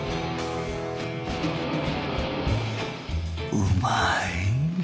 うまい！